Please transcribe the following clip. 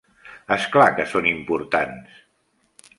És clar, que són importants!